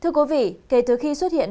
thưa quý vị kể từ khi xuất hiện